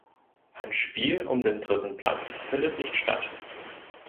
Ein Spiel um den dritten Platz findet nicht statt.